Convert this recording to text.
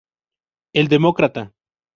Él demócrata.